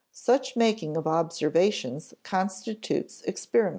Such making of observations constitutes experiment.